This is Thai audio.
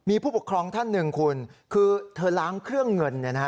มีผู้ปกครองท่านหนึ่งคุณคือเธอล้างเครื่องเงิน